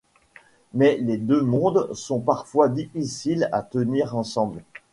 Mais les deux mondes sont parfois difficiles à tenir ensemble.